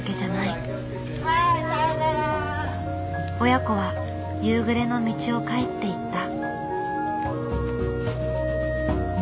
親子は夕暮れの道を帰っていった。